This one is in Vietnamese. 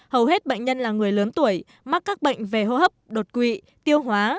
hầu hết bệnh nhân là người lớn tuổi mắc các bệnh về hô hấp đột quỵ tiêu hóa